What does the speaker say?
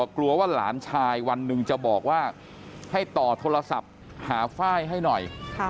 ขอโทรศัพท์หาฟ้ายให้หน่อย